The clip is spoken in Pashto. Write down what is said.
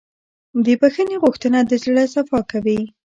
د بښنې غوښتنه د زړه صفا کوي.